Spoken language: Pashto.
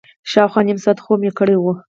شاوخوا نیم ساعت خوب مې کړی و.